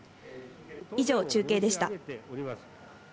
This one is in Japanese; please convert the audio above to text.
以上、中継でした。